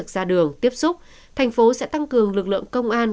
ra đường tiếp xúc thành phố sẽ tăng cường lực lượng công an